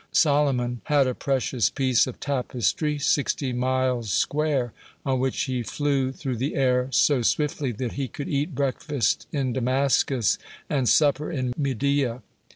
Solomon had a precious piece of tapestry, sixty miles square, on which he flew through the air so swiftly that he could eat breakfast in Damascus and supper in Media.